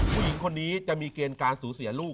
ผู้หญิงคนนี้จะมีเกณฑ์การสูญเสียลูก